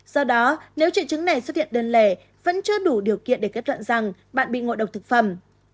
do đó nếu triệu chứng này xuất hiện đơn lẻ vẫn chưa đủ điều kiện để kết luận rằng bạn bị ngộ độc thực phẩm